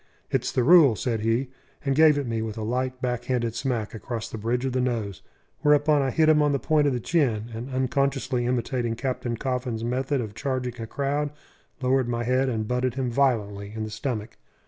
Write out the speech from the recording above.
"It's the rule," said he, and gave it me with a light, back handed smack across the bridge of the nose; whereupon I hit him on the point of the chin, and, unconsciously imitating Captain Coffin's method of charging a crowd, lowered my head and butted him violently in the stomach.